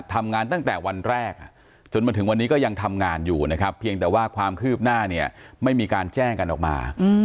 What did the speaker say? ทำงานตั้งแต่วันแรกจนมาถึงวันนี้ก็ยังทำงานอยู่นะครับเพียงแต่ว่าความคืบหน้าเนี่ยไม่มีการแจ้งกันออกมา